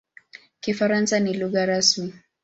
Kifaransa ni lugha rasmi.